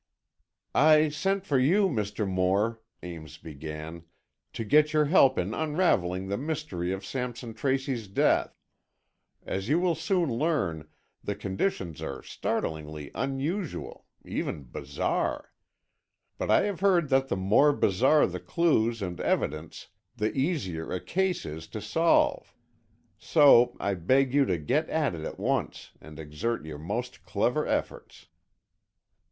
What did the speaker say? "I sent for you, Mr. Moore," Ames began, "to get your help in unravelling the mystery of Sampson Tracy's death. As you will soon learn, the conditions are startlingly unusual, even bizarre. But I have heard that the more bizarre the clues and evidence, the easier a case is to solve. So, I beg you to get at it at once and exert your most clever efforts."